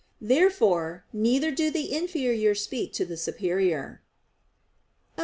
Therefore neither do the inferior speak to the superior. Obj.